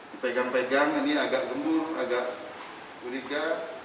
dipegang pegang ini agak gembur agak curiga